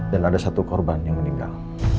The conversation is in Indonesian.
dan ada satu korban yang meninggal